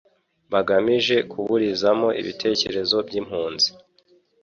bagamije kuburizamo ibitekerezo by'impunzi